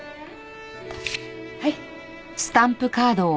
はい。